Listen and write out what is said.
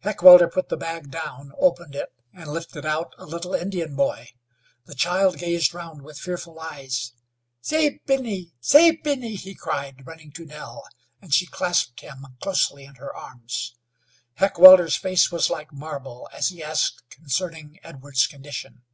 Heckewelder put the bag down, opened it, and lifted out a little Indian boy. The child gazed round with fearful eyes. "Save Benny! Save Benny!" he cried, running to Nell, and she clasped him closely in her arms. Heckewelder's face was like marble as he asked concerning Edwards' condition.